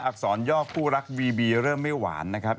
อักษรย่อคู่รักบีบีเริ่มไม่หวานนะครับ